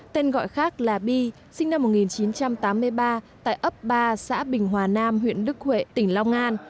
tên gọi khác là bi sinh năm một nghìn chín trăm tám mươi ba tại ấp ba xã bình hòa nam huyện đức huệ tỉnh long an